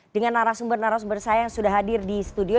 dengan narasumber narasumber saya yang sudah hadir di studio